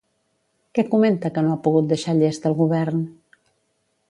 Què comenta que no ha pogut deixar llest el govern?